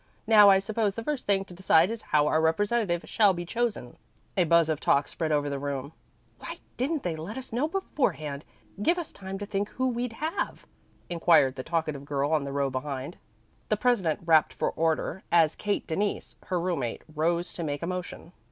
Now I suppose the first thing to decide is how our representative shall be chosen." A buzz of talk spread over the room. "Why didn't they let us know beforehand give us time to think who we'd have?" inquired the talkative girl on the row behind. The president rapped for order as Kate Denise, her roommate, rose to make a motion.